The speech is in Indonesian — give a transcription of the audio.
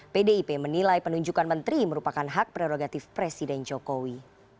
pdip menilai penunjukan menteri merupakan hak prerogatif presiden jokowi